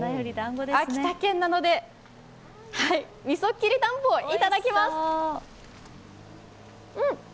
秋田県なので、みそきりたんぽいただきます。